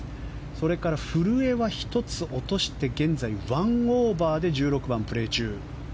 それから古江は１つ落として現在１オーバーで１６番をプレー中。